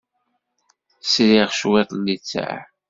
Sriɣ cwiṭ n littseɛ.